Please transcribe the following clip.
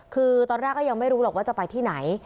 คือตอนแรกก็ยังไม่รู้หรอกว่าจะไปที่ไหน